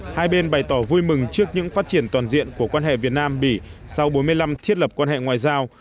hai bên bày tỏ vui mừng trước những phát triển toàn diện của quan hệ việt nam bỉ sau bốn mươi năm thiết lập quan hệ ngoại giao